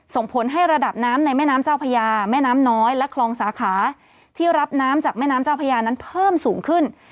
ส่งผลให้ระดับน้ำในแม่น้ำเจ้าพญาแม่น้ำน้อยและคลองสาขาที่รับน้ำจากแม่น้ำเจ้าพญานั้นเพิ่มสูงขึ้น